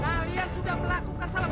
kalian sudah melakukan salam